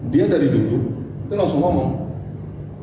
dia dari dulu itu langsung ngomong